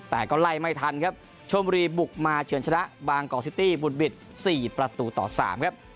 แต่ก็ไล่ไม่ทันครับชมบุรีบุกมาเฉินชนะบางกอกซิตี้บุตบิด๔ประตูต่อ๓ครับ